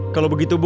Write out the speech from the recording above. kalau begitu bu